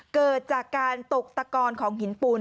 เกิดจากการตกตะกอนของหินปูน